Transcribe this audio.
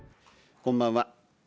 こんばんは。